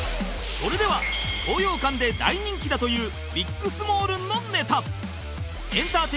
それでは東洋館で大人気だというビックスモールンのネタ